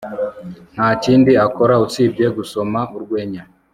Nta kindi akora usibye gusoma urwenya